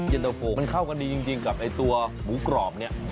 เย็นตะโฟมันเข้ากันดีจริงกับไอ้ตัวหมูกรอบเนี่ย